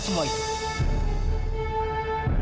pertimbangkan semua itu